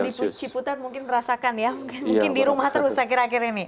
di ciputat mungkin merasakan ya mungkin di rumah terus akhir akhir ini